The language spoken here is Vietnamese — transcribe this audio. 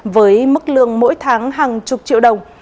với mức lương mỗi tháng hàng chục triệu đồng